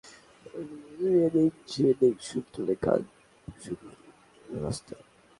খানিকক্ষণ পিয়ানোতে রিনিকঝিনিক সুর তুলে ক্যান নিয়ে ছুটল রিও শহরের রাস্তায়।